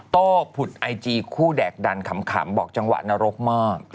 โต้ผุดไอจีคู่แดกดันขำบอกจังหวะนรกมาก